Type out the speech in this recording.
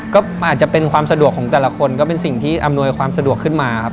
ก็อาจจะเป็นความสะดวกของแต่ละคนก็เป็นสิ่งที่อำนวยความสะดวกขึ้นมาครับ